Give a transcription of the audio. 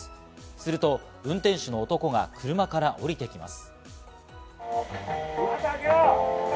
すると運転手の男が車から降りてきます。